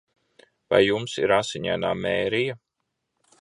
Vai jums ir Asiņainā Mērija?